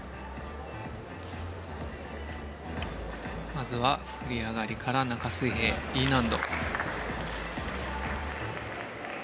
まずは振り上がりから中水平、Ｅ難度。